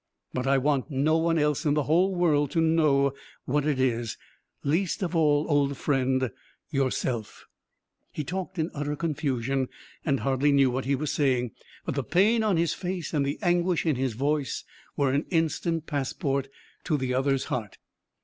But I want no one else in the whole world to know what it is least of all, old friend, yourself." He talked in utter confusion, and hardly knew what he was saying. But the pain on his face and the anguish in his voice were an instant passport to the other's heart.